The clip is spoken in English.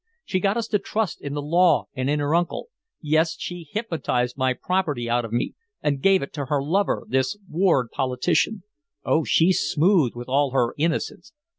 She got us to trust in the law and in her uncle. Yes, she hypnotized my property out of me and gave it to her lover, this ward politician. Oh, she's smooth, with all her innocence!